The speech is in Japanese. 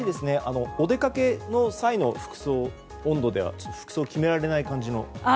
お出かけの際の温度では服装決められない感じの。